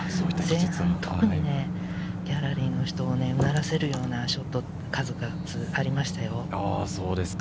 前半、特にギャラリーの人をうならせるようなショット、数々ありましたよ。